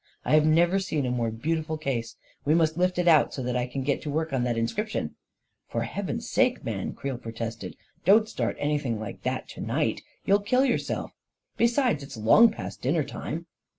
I have never seen a more beautiful case. We must lift it out, so that I can get to work on that inscription." " For heaven's sake, man," Creel protested, "don't start anything like that to night! You'll kill yourself! Besides, it's long past dinner time."